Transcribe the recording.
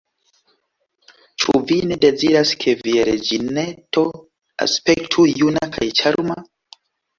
Ĉu Vi ne deziras, ke Via reĝineto aspektu juna kaj ĉarma?